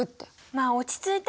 まあ落ち着いて。